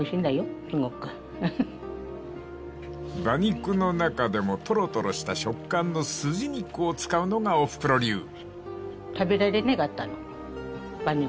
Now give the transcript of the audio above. ［馬肉の中でもトロトロした食感のすじ肉を使うのがおふくろ流］